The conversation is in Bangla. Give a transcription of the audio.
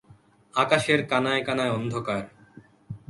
আকাশের কানায় কানায় অন্ধকার।